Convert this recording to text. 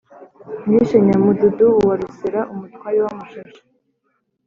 nishe nyamududu wa rusera, umutware w’amashashi.